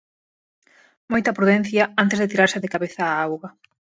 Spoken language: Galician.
Moita prudencia antes de tirarse de cabeza á auga.